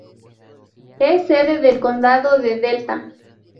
Es sede del condado de Delta.